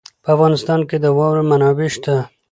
په افغانستان کې د واوره منابع شته.